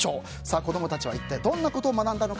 子供たちは一体どんなことを学んだのか。